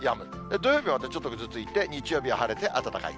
土曜日、またちょっとぐずついて、日曜日は晴れて暖かい。